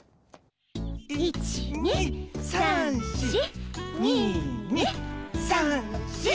１２３４２２３４。